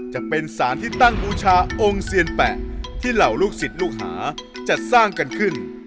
จะเป็นสารที่ตั้งบูชาองค์เซียนแปะที่เหล่าลูกศิษย์ลูกหาจัดสร้างกันขึ้น